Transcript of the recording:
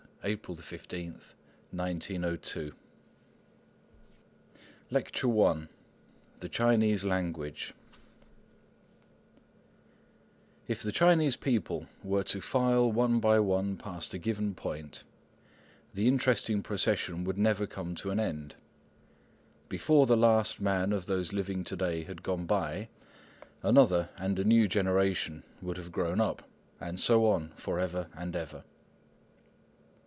175 LECTURE I THE CHINESE LANGUAGE CHINA AND THE CHINESE THE CHINESE LANGUAGE If the Chinese people were to file one by one past a given point, the interesting procession would never come to an end. Before the last man of those living to day had gone by, another and a new generation would have grown up, and so on for ever and ever.